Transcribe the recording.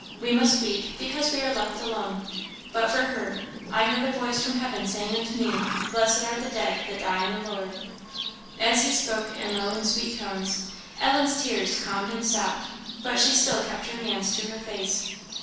We must weep, because we are left alone; but for her 'I heard a voice from heaven saying unto me, Blessed are the dead that die in the Lord!' " As he spoke in low and sweet tones, Ellen's tears calmed and stopped; but she still kept her hands to her face.